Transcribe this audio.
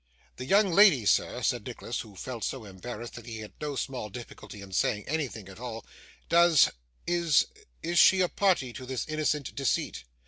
'The young lady, sir,' said Nicholas, who felt so embarrassed that he had no small difficulty in saying anything at all 'Does is is she a party to this innocent deceit?